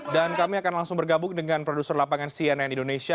dan kami akan langsung bergabung dengan produser lapangan cnn indonesia